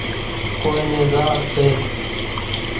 ڪونئين نين زاڙ سي۔